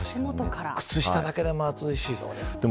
靴下だけでも暑いし。